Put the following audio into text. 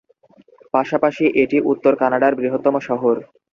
পাশাপাশি এটি উত্তর কানাডার বৃহত্তম শহর।